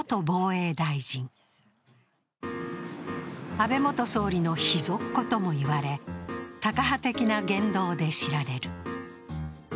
安倍元総理の秘蔵っ子とも言われタカ派的な言動で知られる。